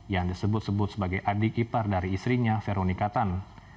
yang disebut sebut sebagai adik ipar dari istrinya veronika tan